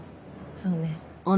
そうね。